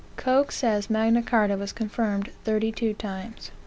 Coke says Magna Carta was confirmed thirty two times.